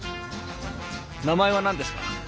名前は何ですか？